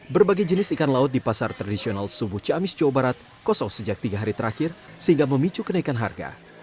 berbagai jenis ikan laut di pasar tradisional subuh ciamis jawa barat kosong sejak tiga hari terakhir sehingga memicu kenaikan harga